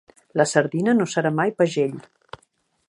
La sardina no serà mai pagell.